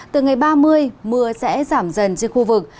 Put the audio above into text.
từ ngày ba mươi mưa sẽ giảm dần trên khu vực